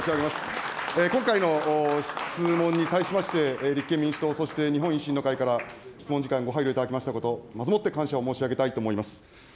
今回の質問に際しまして、立憲民主党、そして日本維新の会から質問時間ご配慮いただきましたこと、まずもって感謝を申し上げたいと思います。